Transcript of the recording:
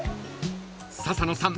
［笹野さん